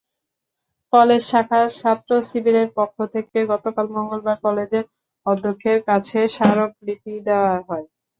College শাখা ছাত্রশিবিরের পক্ষ থেকে গতকাল মঙ্গলবার কলেজের অধ্যক্ষের কাছে স্মারকলিপি দেওয়া হয়।